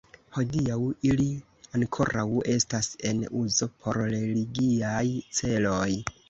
Hodiaŭ ili ankoraŭ estas en uzo por religiaj celoj.